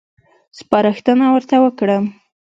سپارښتنه ورته وکړم.